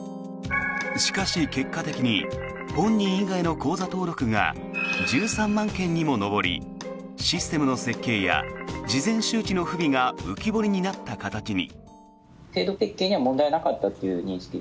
しかし、結果的に本人以外の口座登録が１３万件にも上りシステムの設計や事前周知の不備が浮き彫りになった形に。